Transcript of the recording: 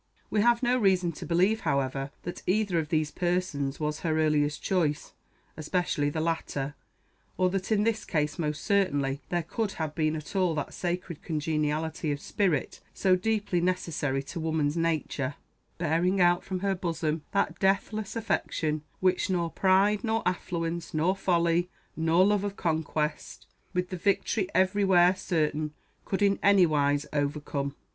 We have no reason to believe, however, that either of these persons was her earliest choice, especially the latter, or that, in this case most certainly, there could have been at all that sacred congeniality of spirit so deeply necessary to woman's nature, bearing out from her bosom that deathless affection which nor pride, nor affluence, nor folly, nor love of conquest, with the victory every where certain, could in any wise overcome.